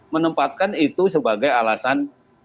menempatkan itu sebagai alasan